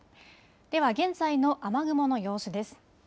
では現在の雨雲の様子です。